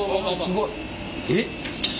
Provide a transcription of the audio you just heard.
えっ。